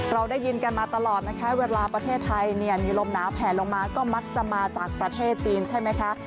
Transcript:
เราได้ยินกันมาตลอดนะคะเวลาประเทศไทยเนี่ยมีลมหนาวแผลลงมาก็มักจะมาจากประเทศจีนใช่ไหมคะ